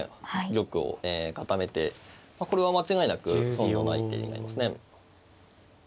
玉を固めてこれは間違いなく損のない一手になりますね。